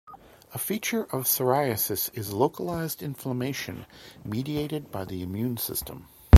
A feature of psoriasis is localized inflammation mediated by the immune system.